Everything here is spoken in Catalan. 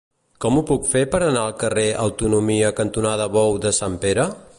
Com ho puc fer per anar al carrer Autonomia cantonada Bou de Sant Pere?